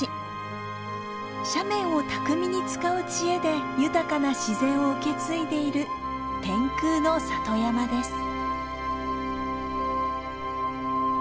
斜面を巧みに使う知恵で豊かな自然を受け継いでいる天空の里山です。